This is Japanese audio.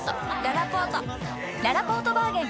ららぽーとバーゲン開催！